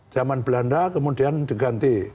zaman belanda kemudian diganti